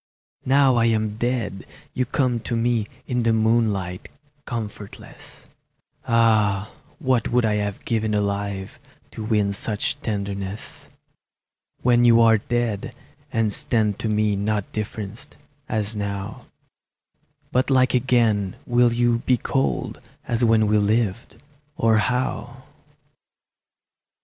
Now I am dead you come to me In the moonlight, comfortless; Ah, what would I have given alive To win such tenderness! When you are dead, and stand to me Not differenced, as now, But like again, will you be cold As when we lived, or how?